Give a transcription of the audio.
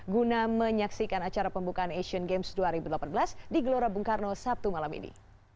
guna menyaksikan acara pembukaan asian games dua ribu delapan belas di gelora bung karno sabtu malam ini